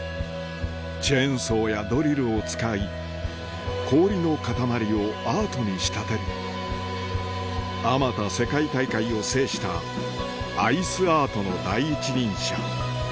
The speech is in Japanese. チェーンソーやドリルを使い氷の塊をアートに仕立てるあまた世界大会を制したアイスアートの第一人者